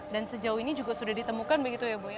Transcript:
dan sejauh ini juga sudah ditemukan begitu ya bu ya